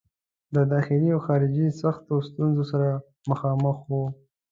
د داخلي او خارجي سختو ستونزو سره مخامخ وو.